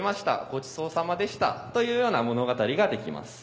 ごちそうさまでしたというような物語ができます。